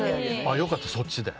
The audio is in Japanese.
よかったそっちで。